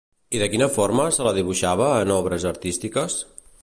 I de quina forma se la dibuixava en obres artístiques?